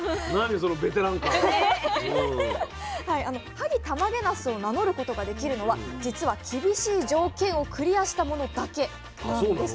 萩たまげなすを名乗ることができるのはじつは厳しい条件をクリアしたものだけなんです。